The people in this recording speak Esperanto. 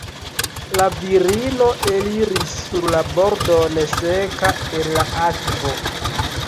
La virino eliris sur la bordon seka el la akvo.